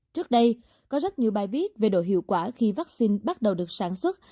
trước đây có rất nhiều bài viết về độ hiệu quả khi vaccine bắt đầu được sản xuất